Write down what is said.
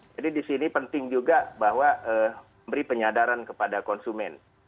jadi di sini penting juga bahwa memberi penyadaran kepada konsumen